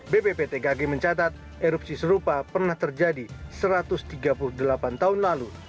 bpptkg mencatat erupsi serupa pernah terjadi satu ratus tiga puluh delapan tahun lalu